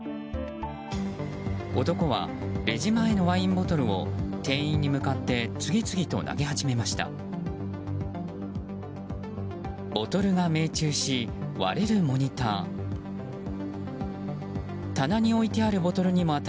男はレジ前のワインボトルを店員に向かって次々と投げ始めました。